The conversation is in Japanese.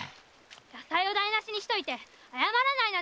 野菜を台なしにしといて謝らないなんてひどい！